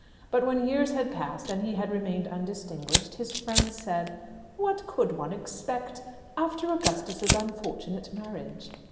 But when years had passed, and he had remained undistinguished, his friends said, "What could one expect after Augustus's unfortunate marriage?"